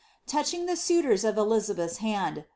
Touching the suitors for Elizabeth's hand.